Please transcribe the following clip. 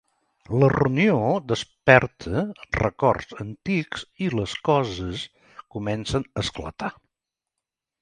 La reunió desperta records antics i les coses comencen a esclatar.